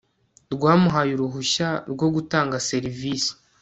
rwamuhaye uruhushya rwo gutanga serivisi